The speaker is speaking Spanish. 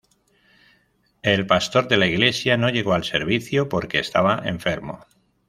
El pastor de la iglesia no llegó al servicio porque estaba enfermo.